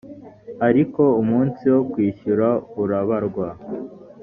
ariko umunsi wo kwishyura urabarwa